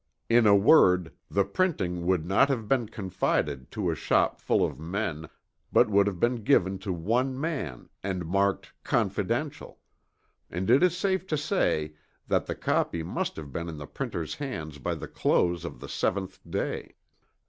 In a word, the printing would not have been confided to a shop full of men but would have been given to one man and marked "confidential"; and it is safe to say that the copy must have been in the printer's hands by the close of the 7th day.